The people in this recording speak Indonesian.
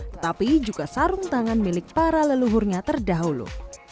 tetapi juga sarung tangan milik para leluhurnya terdahulu